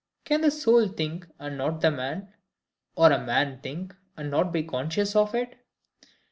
Can the soul think, and not the man? Or a man think, and not be conscious of it?